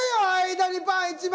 間にパン１枚！